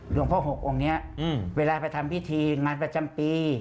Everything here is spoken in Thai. หลวงพ่อ๖องค์นี้เวลาไปทำพิธีงานประจำปี